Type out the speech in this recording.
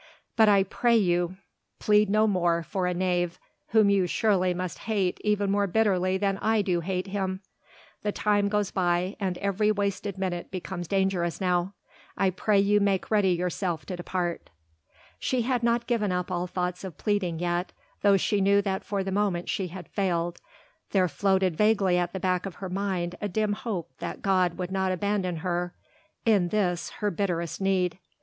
But I pray you, plead no more for a knave whom you surely must hate even more bitterly than I do hate him. The time goes by, and every wasted minute becomes dangerous now. I pray you make yourself ready to depart." She had not given up all thoughts of pleading yet; though she knew that for the moment she had failed, there floated vaguely at the back of her mind a dim hope that God would not abandon her in this her bitterest need.